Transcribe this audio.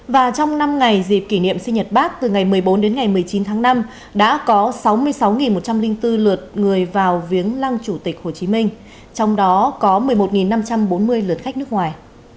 và trong năm ngày dịp kỷ niệm sinh nhật bác từ ngày một mươi bốn đến ngày một mươi chín tháng năm đã có sáu mươi sáu một trăm linh bốn lượt người vào viếng lăng chủ tịch hồ chí minh trong đó có một mươi một năm trăm bốn mươi lượt khách nước ngoài